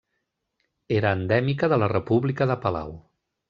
Era endèmica de la República de Palau.